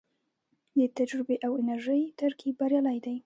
د تجربې او انرژۍ ترکیب بریالی دی